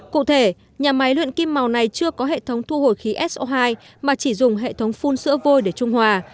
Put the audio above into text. cụ thể nhà máy luyện kim màu này chưa có hệ thống thu hồi khí so hai mà chỉ dùng hệ thống phun sữa vôi để trung hòa